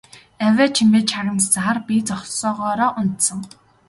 Авиа чимээ чагнасаар би зогсоогоороо унтсан.